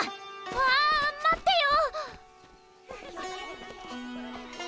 あ待ってよ！